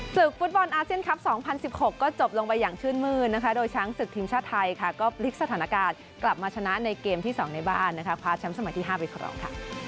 ศึกฟุตบอลอาเซียนคลับ๒๐๑๖ก็จบลงไปอย่างชื่นมืดนะคะโดยช้างศึกทีมชาติไทยค่ะก็พลิกสถานการณ์กลับมาชนะในเกมที่๒ในบ้านนะคะคว้าแชมป์สมัยที่๕ไปครองค่ะ